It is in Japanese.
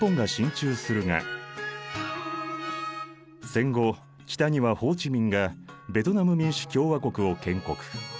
戦後北にはホー・チ・ミンがベトナム民主共和国を建国。